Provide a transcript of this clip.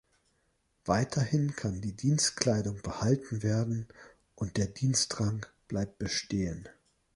Weiterhin kann die Dienstkleidung behalten werden und der Dienstrang bleibt bestehen.